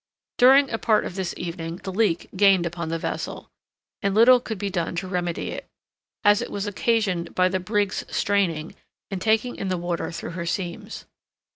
During a part of this evening the leak gained upon the vessel; and little could be done to remedy it, as it was occasioned by the brig's straining, and taking in the water through her seams.